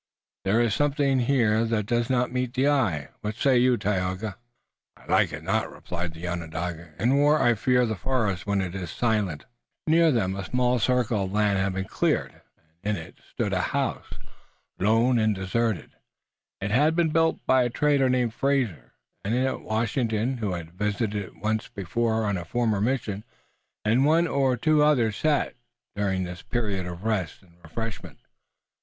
There is something here that does not meet the eye. What say you, Tayoga?" "I like it not," replied the Onondaga. "In war I fear the forest when it is silent." Near them a small circle of land had been cleared and in it stood a house, lone and deserted. It had been built by a trader named Fraser and in it Washington, who had visited it once before on a former mission, and one or two others sat, during the period of rest and refreshment.